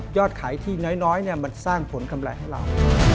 ขายที่น้อยมันสร้างผลกำไรให้เรา